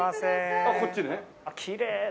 あっきれいな。